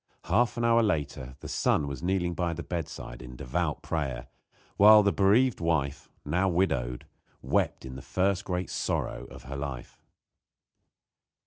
Half an hour later the son was kneeling by the bedside in devout prayer, while the bereaved wife, now widowed, wept in the first great sorrow of her life.